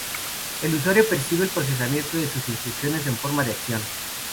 El usuario percibe el procesamiento de sus instrucciones en forma de acción.